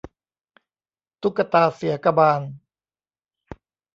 ตุ๊กตาเสียกบาล